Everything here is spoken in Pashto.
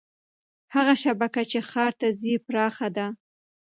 هغه شبکه چې ښار ته ځي پراخه ده.